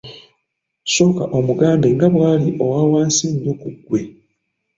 Sooka omugambe nga bwali owa wansi ennyo ku ggwe.